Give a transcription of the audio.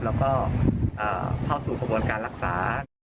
แล้วก็เข้าสู่กระบวนการรักษา